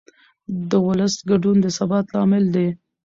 د ولس ګډون د ثبات لامل دی